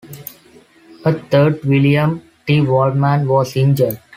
A third, William T. Vollmann, was injured.